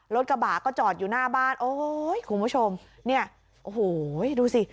รถกระบะก็จอดอยู่หน้าบ้านโอ้ยคุณผู้ชมเนี่ยโอ้โหดูสิ